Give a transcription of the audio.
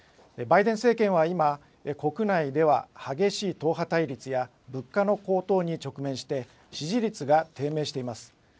バイデン政権は今、国内では激しい党派対立や、物価の高騰に直面して、支持率が低迷しています。